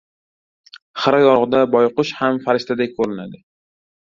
• Xira yorug‘da boyqush ham farishtadek ko‘rinadi.